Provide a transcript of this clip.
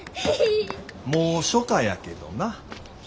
もう初夏やけどな。